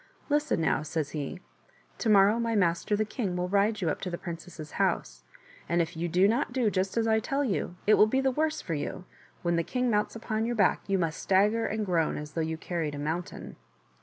" Listen now," says he ;" to morrow my master, the king, will ride you up to the princess's house, and if you do not do just as I tell you, it will be the worse for you; when the king mounts upon your back you must stagger and groan, as though you carried a mountain."